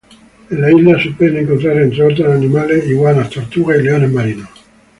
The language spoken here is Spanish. En la isla se pueden encontrar entre otros animales, iguanas, tortugas y leones marinos.